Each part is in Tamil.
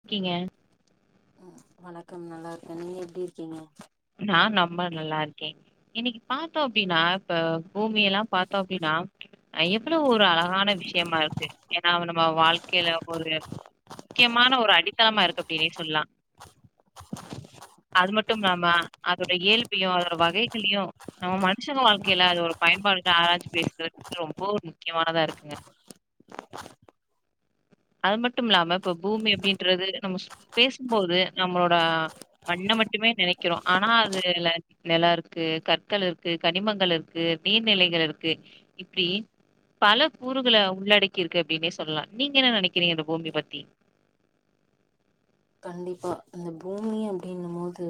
இருக்கிங்க வணக்கம் நல்லாருக்கே நீங்க எப்டி இருக்கிங்க நா நம்ப நல்லாருக்கே இன்னைக்கு பாத்தோ அப்டின்னா இப்ப பூமியெல பாத்தோ அப்டின்னா எவளோ ஒரு அழகான விஷயமா இருக்கு ஏன்னா நம்ம வாழ்க்கையில ஒரு முக்கியமான ஒரு அடித்தளமா இருக்கு அப்டினே சொல்லா அது மட்டும் இல்லாம அதோட இயல்பையு அதோட வகைகளையு நம்ம மனுஷங்க வாழ்க்கையில அது ஒரு பயன்பாடுக்கு ஆராஞ்சு பேசுறதுக்கு ரொம்ப ஒரு முக்கியமானதா இருக்குங்க [inaudible] அது மட்டும் இல்லாம இப்ப பூமி அப்படின்றது நம்ம பேசும்போது நம்மளோட மண்ண மட்டுமே நெனைக்கிறோ ஆனா அதுல நில இருக்கு கற்கள் இருக்கு கனிமங்கள் இருக்கு நீர்நிலைகள் இருக்கு இப்டி பல கூறுகள உள்ளடக்கி இருக்கு அப்டின்னே சொல்லலா நீங்க என்ன நினைக்கிறீங்க இந்த பூமிய பத்தி கண்டிப்பா அந்த பூமி அப்டின்னும் போது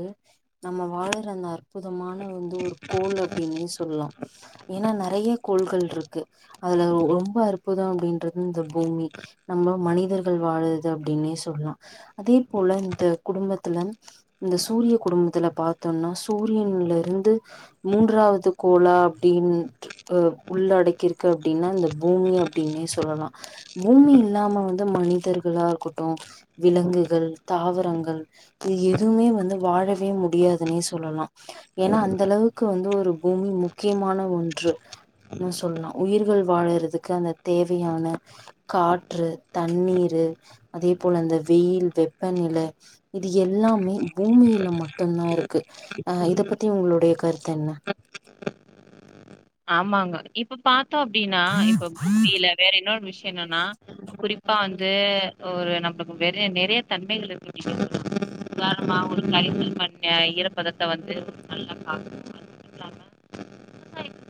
நம்ம வாழுற அந்த அற்புதமான வந்து ஒரு கோல் அப்டின்னே சொல்லலா ஏன்னா நெறைய கோள்கள் இருக்கு அதுல ரொம்ப அற் புத அப்டின்றது இந்த பூமி நம்ம மனிதர்கள் வாழுறது அப்டின்னே சொல்லலா அதே போல இந்த குடும்பத் துல இந்த சூரியக் குடும்பத்துல பாத்தோன்னா சூரியன்ல இருந்து மூன்றாவது கோலா அப்டின் டு ஆ உள்ளடக்கிருக்கு அப்டின்னா இந்த பூமி அப்டின்னே சொல்லலா பூமி இல்லாம வந்து மனிதர்களா இருக்கட்டு விலங்கு கள் தாவரங்கள் இது எதுவுமே வந்து வாழவே முடியாதுன்னே சொல்லலா ஏன்னா அந்தளவுக்கு வந்து ஒரு பூமி முக்கியமான ஒன்று னு சொல்லலா உயிர்கள் வாழறதுக்கு அந்த தேவையான காற்று தண்ணீரு அதே போல அந்த வெயில் வெப்பநில இது எல்லாமே பூமியில மட்டுந்தா இருக்கு ஆ இத பத்தி உங்களுடைய கருத்து என்ன ஆமாங்க இப்ப பாத்தோ அப்டின்னா இப்ப பூமியில வேற இன்னொரு விஷய என்னன்னா குறிப்பா வந்து ஒரு நம்பளுக்கு நெறைய நெறைய தன்மைகள் இருக்கு உதாரணமா ஒரு கைப்பிடி மண்ண ஈரப்பதத்த வந்து நல்லா பாக் த்துக்கலாம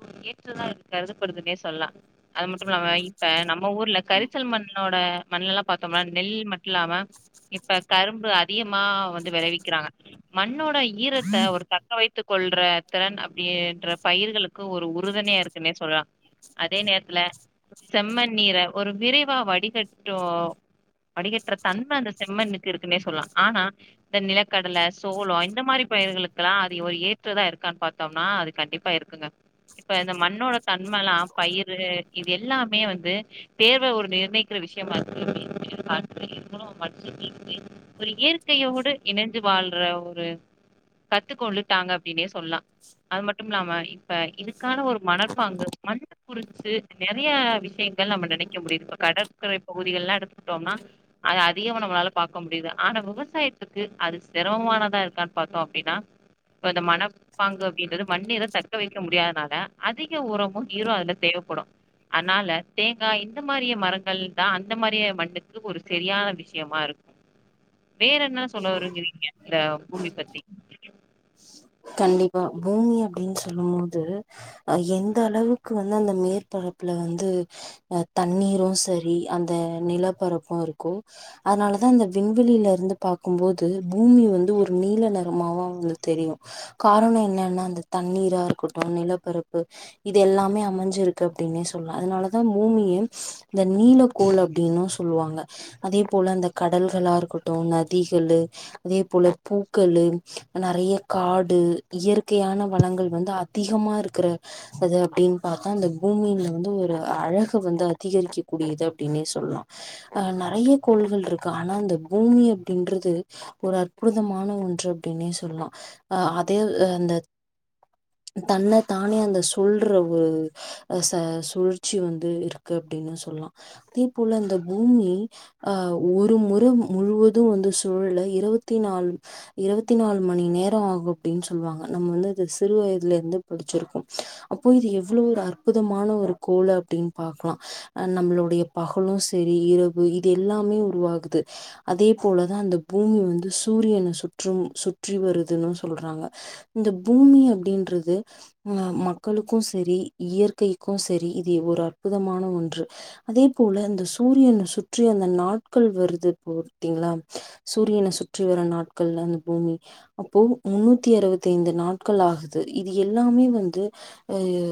ஒரு ஏற்றதா அது கருதப்படுதுன்னே சொல்லலா அது மட்டு இல்லாம இப்ப நம்ம ஊர்ல கரிசல் மண் ணோட மண்லல்லா பார்த்தோம்னா நெல் மட்ல்லாம இப்ப கரும்பு அதிகமா வந்து விளைவிக்கிறாங்க மண்ணோட ஈரத்த ஒரு தக்க வைத்துக் கொள்ற திறன் அப்டின்ற பயிர்களுக் கு ஒரு உறுதுணையா இருக்குன்னே சொல்லலா அதே நேரத்துல செம்மண் நீர ஒரு விரைவா வடிகட்டு வடிகட்ற தன்ம அந்த செம்மண்ணுக்கு இருக்குன்னே சொல்லலா ஆனா இந்த நிலக்கடல சோளோ இந்த மாரி பயிர்களுக்கெல்லா அது ஒரு ஏற்றதா இருக்கான்னு பாத் தோம்னா அது கண்டிப்பா இருக்குங்க இப்ப இந்த மண்ணோட தண்மலா பயிரு இது எல்லாமே வந்து தேவ ஒரு நிர்ணயிக்கிற விஷயமா இருக்கு [inaudible] ஒரு இயற்கையோடு இணைஞ்ச வாழ்ற ஒரு கத்துக்க கொள்ளுட்டாங்க அப்டின்னே சொல்லலா அது மட்டும் இல்லாம இப்ப இதுக்கான ஒரு மனர்ப்பாங்கு மண் குறிச்சு நெறைய விஷயங்கள் நம்ம நெனைக்க முடியுது இப்ப கடற்கரை பகுதிகள்லா எடுத்துட்டோம்னா அது அதிகம் நம்மளால பாக்க முடியுது ஆனா விவசாயத்துக்கு அது சிரமமானதா இருக்கான்னு பாத்தோ அப்டின்னா இப்ப இந்த மணப்பாங்கு அப்டின்றது மண் நீர தக் க வைக்க முடியாதனால அதிக உரமு நீரு அதுல தேவப்படு அதனால தேங்காய் இந்த மாரிய மரங்கள் தா அந்த மாரியே மண்ணுக்கு ஒரு சரியான விஷயமா இருக்கு வேற என்ன சொல்ல வருவீங்க இந்த பூமி பத்தி கண்டிப்பா பூமி அப்டின்னு சொல்லும் போது அது எந்தளவுக் கு வந்து அந்த மேற்பரப்புல வந்து ஆ தண்ணீரு சரி அந்த நிலப்பரப்பு இருக்கு அதனால தா அந்த விண்வெளியில இருந்து பாக்கும்போது பூமி வந்து ஒரு நீல நெறமாவு அவுங்களுக்கு தெரியு காரண என்னன்னா அந்த தண்ணீரா இருக்கட்டு நிலப்பரப்பு இது எல்லாமே அமஞ்சிருக் தப்டின்னே சொல்லா அதனாலதா பூமியே இந்த நீலக்கோள் அப்டின்னு சொல்லுவாங்க அதே போல இந்த கடல்களா இருக்கட்டு நதிகளு அதே போல பூக்களு நெறைய காடு இயற்கையான வளங்கள் வந்து அதிகமா இருக்கிற அத அப்டின் பாத்தா அந்த பூமியில வந்து ஒரு அழக வந்து அதிகரிக்கக்க கூடியது அப்டின்னே சொல்லா அ நெறைய கோள்கள் இருக்கு ஆனா அந்த பூமி அப்டின்றது ஒரு அற்புதமான ஒன்று அப்டின்னே சொல்லா ஆ அதே அந்த தன்ன தானே அந்த சொல்ற ஒரு அ ச சுழற்சி வந்து இருக்கு அப்டின்னு சொல்லலாம் அதே போல அந்த பூமி ஆ ஒரு முற முழுவதும் வந்து சூழல இருவத்தி நாள் இருவத்தி நாள் மணி நேரோ ஆகும் அப்டின் சொல்வாங்க நம்ம வந்து அத சிறு வயதுல இருந்து படிச்சிருக்கோ அப்போ இது எவ்ளோ ஒரு அற்புதமான ஒரு கோளு அப்டின் பாக்கலா அ நம்மளோடைய பகலு செரி இரவு இது எல்லாமே உருவாகுது அதே போலதா அந்த பூமி வந்து சூரியன சுற்றும் சுற்றி வருதுனு சொல்றாங்க இந்த பூமி அப்டின்றது மக்களுக்கு செரி இயற்கைக்கு செரி இது ஒரு அற்புதமான ஒன்று அதே போல அந்த சூரியன சுற்றி அந்த நாட்கள் வருது பாத்திங்ளா சூரியன சுற்றி வரும் நாட்கள்ல அந்த பூமி அப்போ முன்னூத்தி அறுவத்தி ஐந்து நாட்கள் ஆகுது இது எல்லாமே வந்து அய்யோ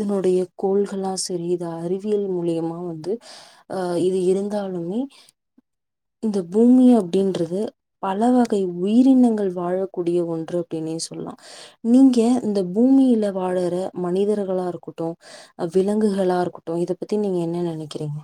இதனுடைய கோள்களா சரி இத அறிவியல் மூலியமா வந்து அ இது இருந்தாலுமே இந்த பூமி அப்டின்றது பல வகை உயிரினங்கள் வாழக்கூடிய ஒன்று அப்டின்னே சொல்லா நீங்க இந்த பூமியில வாழற மனிதர்களா இருக்கட்டு விலங்குகளா இருக்கட்டு இத பத்தி நீங்க என்ன நெனைக்கிறீங்க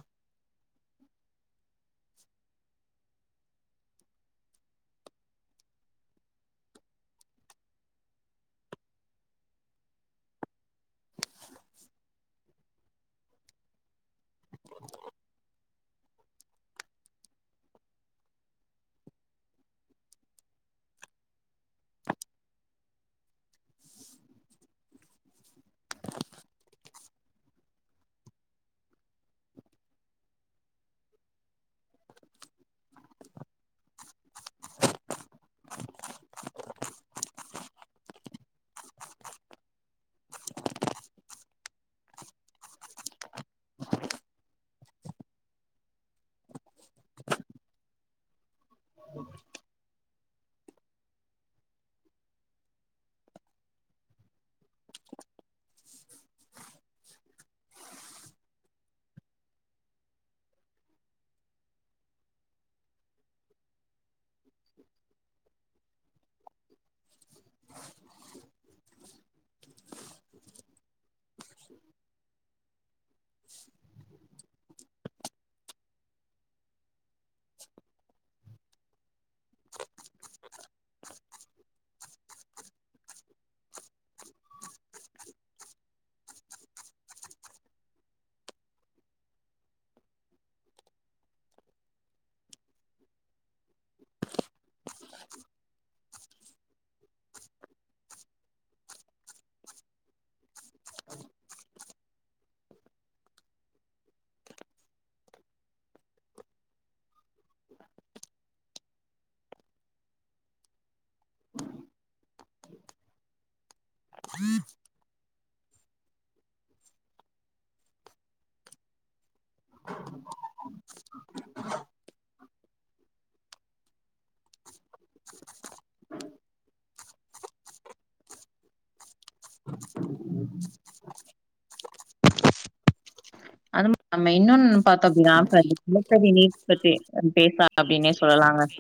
அது மு நம்ம இன்னொன் பாத்தோ அப்டின்னா [unintelligible] நிலத்தடி நீர் பத்தி பேச அப்டின்னே சொல்லலாங்க